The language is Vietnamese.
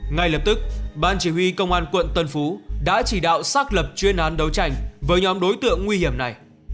ngay lập tức ban chỉ huy công an quận tân phú đã chỉ đạo xác lập chuyên án đấu tranh với nhóm đối tượng nguy hiểm này